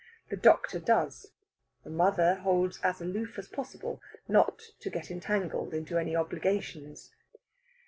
The doctor does. The mother holds as aloof as possible, not to get entangled into any obligations.